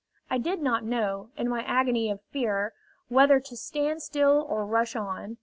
I did not know, in my agony of fear, whether to stand still or rush on.